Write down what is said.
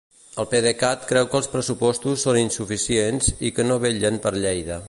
El PDeCAT creu que els pressupostos són insuficients i que no vetllen per Lleida.